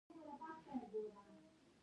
خو په نومونو جګړه کوي.